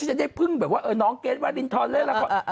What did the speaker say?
จะได้พึ่งแบบว่าน้องเกรทวารินทรเล่นละคร